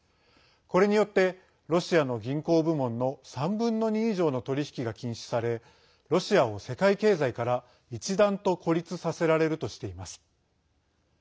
これによってロシアの銀行部門の３分の２以上の取り引きが禁止されロシアを世界経済から、一段と孤立させられるとしています。